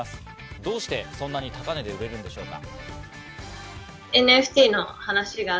どうしてそんなに高値で売れるんでしょうか？